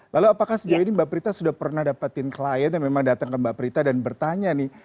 lalu apakah sejauh ini mbak prita sudah pernah dapetin klien yang memang datang ke mbak prita dan bertanya nih